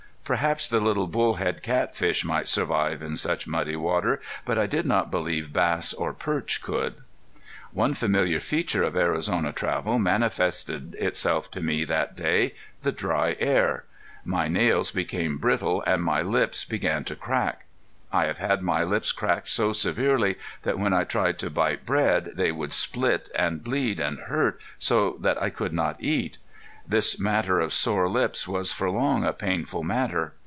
Perhaps the little bull head catfish might survive in such muddy water, but I did not believe bass or perch could. One familiar feature of Arizona travel manifested itself to me that day the dry air. My nails became brittle and my lips began to crack. I have had my lips cracked so severely that when I tried to bite bread they would split and bleed and hurt so that I could not eat. This matter of sore lips was for long a painful matter.